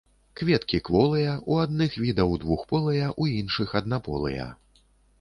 Кветкі кволыя, у адных відаў двухполыя, у іншых аднаполыя.